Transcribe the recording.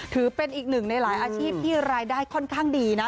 ถือเป็นอีกหนึ่งในหลายอาชีพที่รายได้ค่อนข้างดีนะ